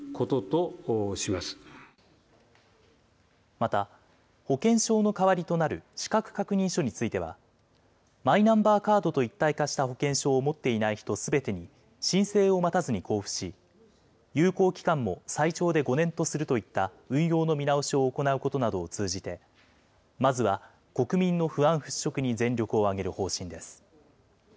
また、保険証の代わりとなる資格確認書については、マイナンバーカードと一体化した保険証を持っていない人すべてに、申請を待たずに交付し、有効期間も最長で５年とするといった運用の見直しを行うことなどを通じて、まずは国民の不安払拭に全力を挙げる方針です。